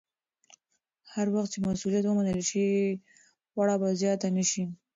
هر وخت چې مسوولیت ومنل شي، پړه به زیاته نه شي.